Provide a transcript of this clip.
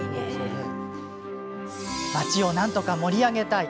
町を、何とか盛り上げたい。